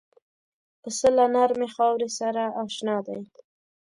پسه له نرمې خاورې سره اشنا دی.